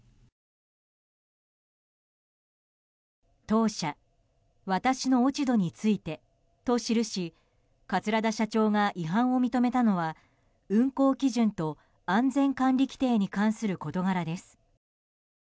「当社の落ち度について」と記し桂田社長が違反を認めたのは運航基準と安全管理規程に関する事柄です。